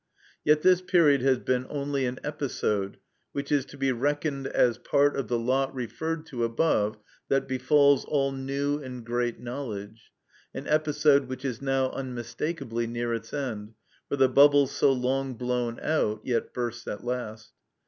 Yet this period has been only an episode, which is to be reckoned as part of the lot referred to above that befalls all new and great knowledge; an episode which is now unmistakably near its end, for the bubble so long blown out yet bursts at last.